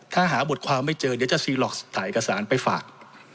ถ้าหาบทความไม่เจอเดี๋ยวจะซีหลอกถ่ายเอกสารไปฝาก